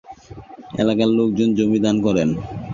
এলাকার লোকজন জমি দান করেন।